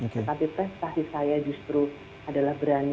tetapi prestasi saya justru adalah berani